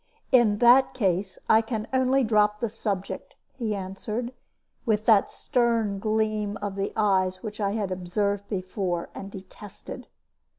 "In that case, I can only drop the subject," he answered, with that stern gleam of the eyes which I had observed before, and detested.